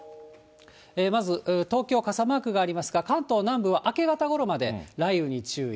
まず、東京傘マークありますが、関東南部は明け方ごろまで雷雨に注意。